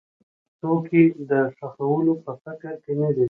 څوک یې د ښخولو په فکر کې نه دي.